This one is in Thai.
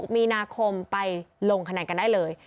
มีนาคมไปลงคะแนนกันได้เลย